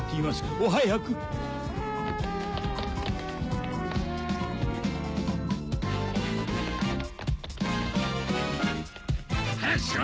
お早く！早くしろ！